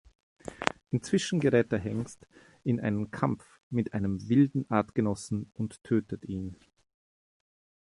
Inzwischen gerät der Hengst in einen Kampf mit einem wilden Artgenossen und tötet ihn.